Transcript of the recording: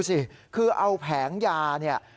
มีแต่น้ำเปล่านี่